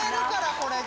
これが。